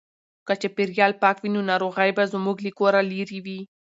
که چاپیریال پاک وي نو ناروغۍ به زموږ له کوره لیري وي.